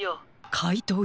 かいとうＵ。